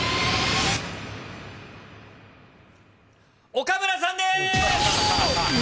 岡村さんです。